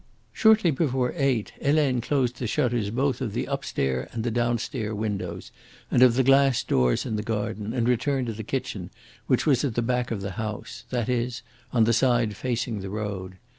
Shortly before eight Helene closed the shutters both of the upstair and the downstair windows and of the glass doors into the garden, and returned to the kitchen, which was at the back of the house that is, on the side facing the road.